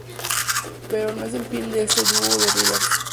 Pero no es el fin de este dúo de Riders.